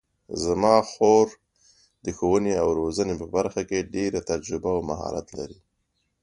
زما خور د ښوونې او روزنې په برخه کې ډېره تجربه او مهارت لري